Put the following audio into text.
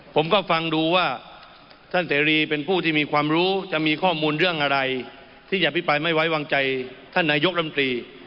ผมก็ฟังดูว่าท่านเสรีเป็นผู้ที่มีความรู้จะมีข้อมูลเรื่องอะไรที่จะอภิปรายไม่ไว้วางใจท่านนายกรมตรี